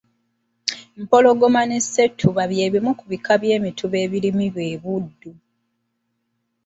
Mpologoma ne ssettuba byebimu ku bika by’emituba ebirimibwa e Buddu.